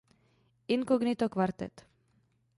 Inkognito kvartet.